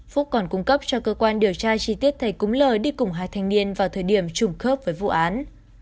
phúc còn cung cấp cho cơ quan điều tra chi tiết thầy cúng lời đi cùng hai thanh niên vào thời điểm trùng khớp với vụ án